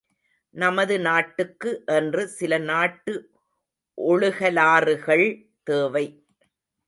நமது நாட்டுக்கு என்று சில நாட்டு ஒழுகலாறுகள் தேவை.